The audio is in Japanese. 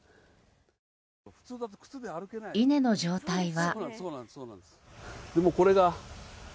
稲の状態は。